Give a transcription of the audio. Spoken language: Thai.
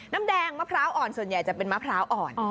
น้ำแดงมะพร้าวอ่อนส่วนใหญ่จะเป็นมะพร้าวอ่อน